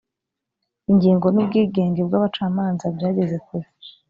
ingingo n’ubwigenge bw ‘abacamanza byageze kure.